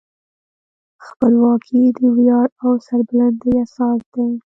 خپلواکي د ویاړ او سربلندۍ اساس دی.